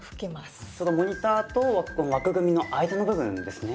そのモニターと枠組みの間の部分ですね。